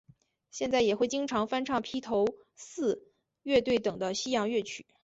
现在也会经常翻唱披头四乐队等的西洋乐曲。